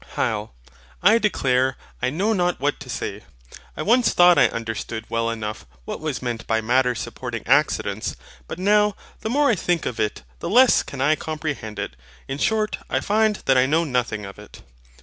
HYL. I declare I know not what to say. I once thought I understood well enough what was meant by Matter's supporting accidents. But now, the more I think on it the less can I comprehend it: in short I find that I know nothing of it.